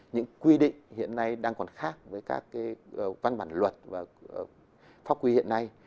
những quy định hiện nay đang còn khác với các cái văn bản luật và pháp quy hiện nay